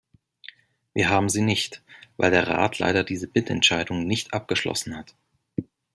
Wir haben sie nicht, weil der Rat leider diese Mitentscheidung nicht abgeschlossen hat.